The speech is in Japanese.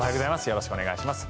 よろしくお願いします。